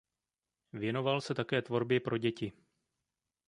Věnoval se také tvorbě pro děti.